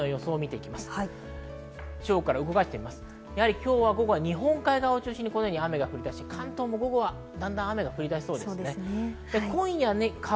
今日、午後は日本海側を中心に雨が降り出し、関東も午後は雨が降り出しそうです。